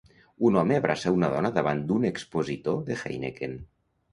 Un home abraça una dona davant d'un expositor de Heineken.